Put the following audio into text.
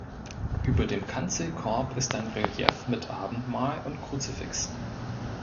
Über dem Kanzelkorb ist ein Relief mit Abendmahl und Kruzifix.